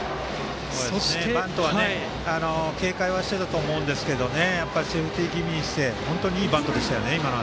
バントを警戒はしていたと思うんですが今のは、セーフティー気味で本当にいいバントでしたね。